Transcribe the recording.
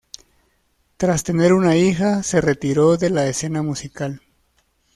Tras tener una hija, se retiró de la escena musical.